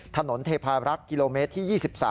เทพารักษ์กิโลเมตรที่๒๓